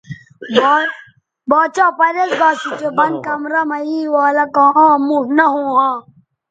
باڇھا پریز گا اسو چہء بند کمرہ مہ یے والہ کاں عام موݜ نہ ھوں ھاں